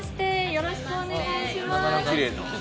よろしくお願いします。